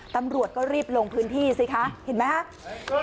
ตำรวจก็รีบลงพื้นที่สิคะเห็นมั้ยคะ